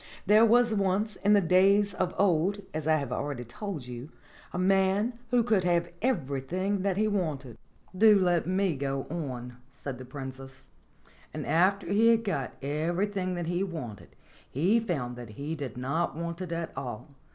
There was once in the days of old, as I have already told you, a man who could have everything that he wanted." "Do let me go on," said the Princess. "And after he had got everything that he wanted he found that he did not want it at all.